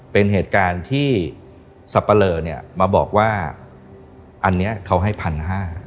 เป็นเหตุการณ์ที่สับปะเลอเนี่ยมาบอกว่าอันนี้เขาให้พันห้า